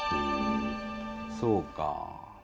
そうか。